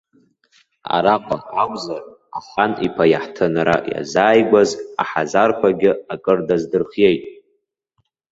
Араҟа акәзар, ахан-иԥа иаҳҭынра иазааигәаз аҳазарқәагьы акыр даздырхиеит.